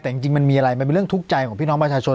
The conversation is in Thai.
แต่จริงมันมีอะไรมันเป็นเรื่องทุกข์ใจของพี่น้องประชาชน